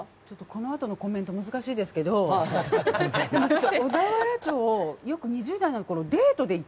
このあとのコメント難しいですけど小田原城、よく２０代のころえー？